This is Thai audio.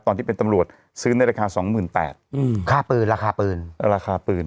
ตอนที่เป็นตำรวจซื้อในราคาสองหมื่นแปดอืมค่าปืนราคาปืนราคาปืน